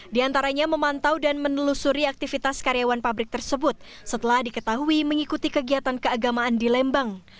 di antaranya memantau dan menelusuri aktivitas karyawan pabrik tersebut setelah diketahui mengikuti kegiatan keagamaan di lembang